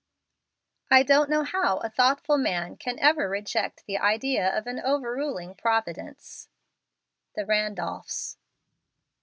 I don't know how a thoughtful man can ever reject the idea of an overruling Providence. The Randolphs.